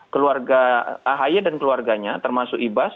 keluarga ahy dan keluarganya termasuk ibas